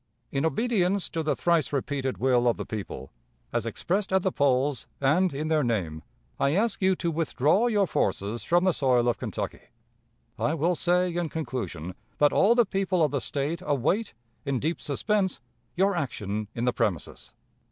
"In obedience to the thrice repeated will of the people, as expressed at the polls, and in their name, I ask you to withdraw your forces from the soil of Kentucky. "I will say, in conclusion, that all the people of the State await, in deep suspense, your action in the premises.